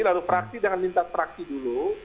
lalu fraksi dengan minta fraksi dulu